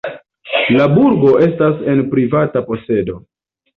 La burgo estas en privata posedo.